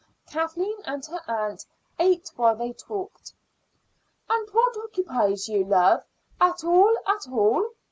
Kathleen and her aunt ate while they talked. "And what occupies you, love, at all at all?"